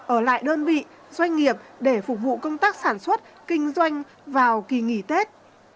ở lại đơn vị doanh nghiệp để phục vụ công tác sản xuất kinh doanh vào kỳ nghỉ tết